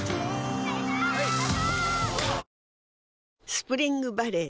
スプリングバレー